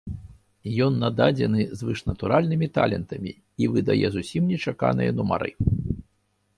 Ён нададзены звышнатуральнымі талентамі і выдае зусім нечаканыя нумары.